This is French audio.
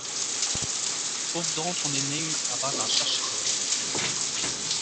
Trouve donc ton énigme avant d’en chercher d’autres !